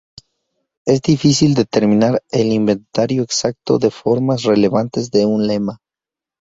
Es difícil determinar el inventario exacto de formas relevantes de un lema.